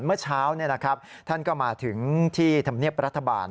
เมื่อเช้าท่านก็มาถึงที่ธรรมเนียบรัฐบาล